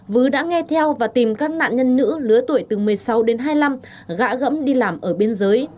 vứ đã nghe theo và tìm các nạn nhân nữ lứa tuổi từ một mươi sáu đến hai mươi năm gã gẫm đi làm ở biên giới